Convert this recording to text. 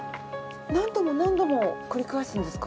何度も何度も繰り返すんですか？